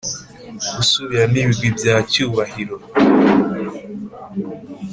usubiramo ibigwi bya cyubahiro